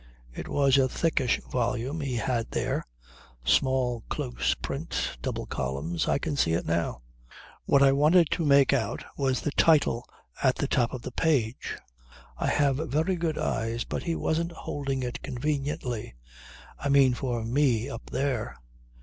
It was a thickish volume he had there, small close print, double columns I can see it now. What I wanted to make out was the title at the top of the page. I have very good eyes but he wasn't holding it conveniently I mean for me up there.